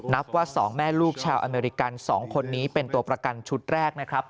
นับว่า๒แม่ลูกชาวอเมริกัน๒คนนี้เป็นตัวประกันชุดแรกนะครับ